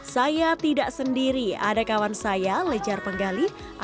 saya tidak sendiri ada kawan saya lejar penggali